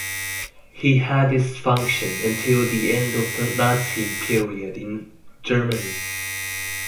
He had this function until the end of the Nazi period in Germany.